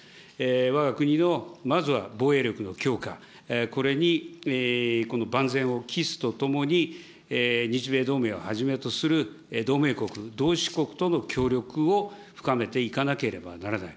わが国の、まずは防衛力の強化、これに、この万全を期すとともに、日米同盟をはじめとする同盟国、同志国との協力を深めていかなければならない。